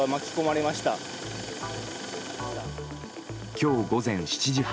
今日午前７時半